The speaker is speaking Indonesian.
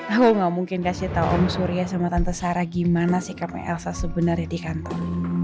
aku gak mungkin kasih tahu om surya sama tante sarah gimana sih kak elsa sebenarnya di kantor